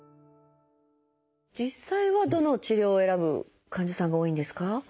実際はどの治療を選ぶ患者さんが多いんですか？